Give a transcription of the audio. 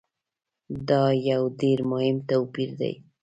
دا یو ډېر مهم توپیر دی.